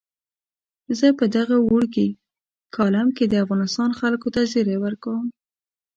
زه په دغه وړوکي کالم کې د افغانستان خلکو ته زیری ورکوم.